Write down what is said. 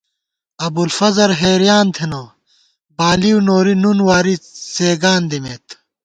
ابُوالفضل حېریان تھنہ بالِؤ نوری نُن واری څېگان دِمېت